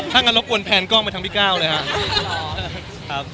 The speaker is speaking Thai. ถ้างานเราคนแผ่นกล้องมาทั้งพี่ก้าวเลยฮะ